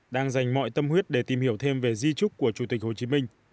đang dành mọi tâm huyết để tìm hiểu thêm về di trúc của chủ tịch hồ chí minh